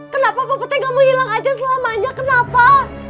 kenapa papa tak mau hilang selamanya kenapa